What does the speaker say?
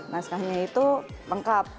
maskahnya itu lengkap